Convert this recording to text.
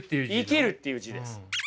生きるっていう字です。